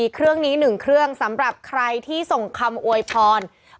เครื่องนี้๑เครื่องสำหรับใครที่ส่งคำอวยพร